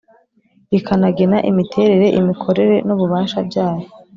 rikanagena imiterere imikorere n ububasha byayo